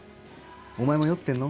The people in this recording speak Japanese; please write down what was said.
お前も酔ってんの？